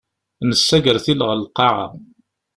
Nessa agertil ɣer lqaɛa.